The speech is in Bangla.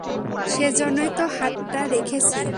সেজন্যই তো হাতটা রেখেছি।